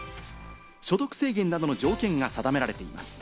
所得制限などの条件が定められています。